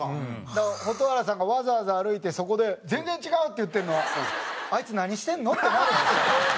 だから蛍原さんがわざわざ歩いてそこで「全然違う！」って言ってるの「あいつ何してんの？」ってなるんですよ。